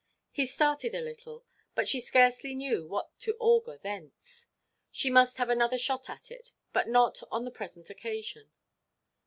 He started a little, but she scarcely knew what to augur thence. She must have another shot at it; but not on the present occasion.